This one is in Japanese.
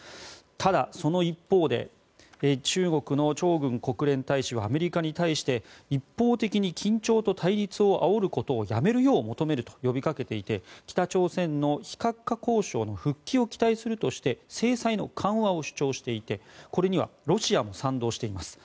ただ、その一方で中国のチョウ・グン国連大使はアメリカに対して一方的に緊張と対立をあおることをやめるよう求めると呼びかけていて北朝鮮の非核化交渉の復帰を期待するとして制裁の緩和を主張していてこれにはロシアも賛同しています。